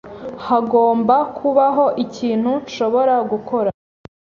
Hagomba kubaho ikintu nshobora gukora.